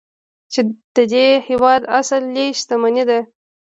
چې د دې هیواد اصلي شتمني ده.